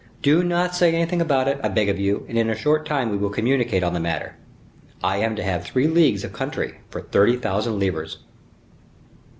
Do not say anything about it, I beg of you, and in a short time we will communicate on the matter. I am to have three leagues of country for thirty thousand livres."